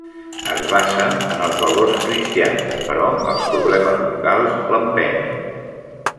Es basa en els valors cristians però els problemes locals l'empenyen.